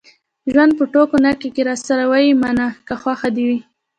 ژوند په ټوکو نه کېږي. راسره ويې منه که خوښه دې وي.